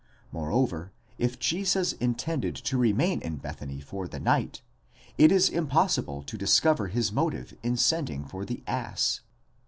Moreover, if Jesus intended to remain in Bethany for the night, it is impossible to discover his motive in sending for the ass.